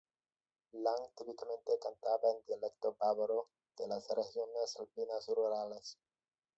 Lang típicamente cantaba en dialecto bávaro de las regiones alpinas rurales.